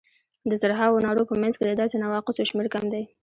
د زرهاوو نارو په منځ کې د داسې نواقصو شمېر کم دی.